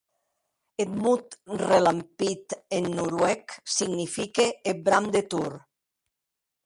Eth mot relampit, en noruec, signifique eth bram de Thor.